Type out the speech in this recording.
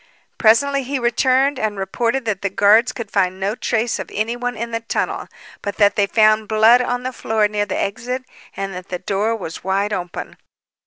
Presently he returned and reported that the guards could find no trace of anyone in the tunnel, but that they found blood on the floor near the exit and that the door was wide open.